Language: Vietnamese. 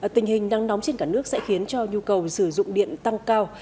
tình hình nắng nóng trên cả nước sẽ khiến cho nhu cầu sử dụng điện tăng cao